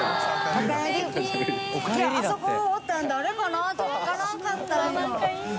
あそこおったん誰かな？って分からんかったんよ